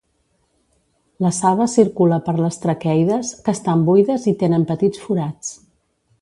La saba circula per les traqueides, que estan buides i tenen petits forats.